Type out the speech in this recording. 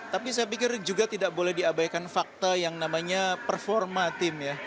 tapi saya pikir juga tidak boleh diabaikan fakta yang namanya performa tim ya